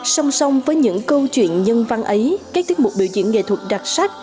song song với những câu chuyện nhân văn ấy các tiết mục biểu diễn nghệ thuật đặc sắc